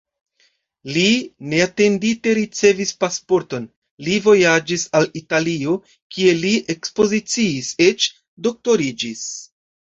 Li neatendite ricevis pasporton, li vojaĝis al Italio, kie li ekspoziciis, eĉ doktoriĝis.